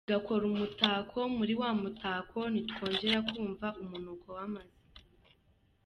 bigakora umutako muri wa mutako ntitwongera kumva umunuko w’amase.